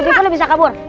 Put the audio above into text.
lu pikir lu bisa kabur